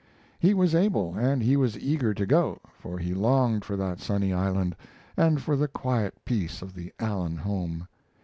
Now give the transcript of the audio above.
He was able, and he was eager to go, for he longed for that sunny island, and for the quiet peace of the Allen home.